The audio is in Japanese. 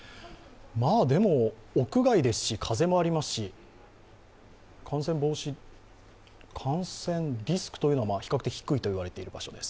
でも、屋外ですし風もありますし感染防止、感染リスクというのは比較的低いといわれている場所です。